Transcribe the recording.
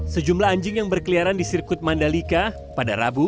sejumlah anjing yang berkeliaran di sirkuit mandalika pada rabu